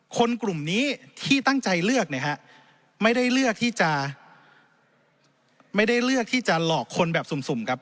คนกลุ่มนี้ที่ตั้งใจเลือกนะครับไม่ได้เลือกที่จะหลอกคนแบบสุ่มครับ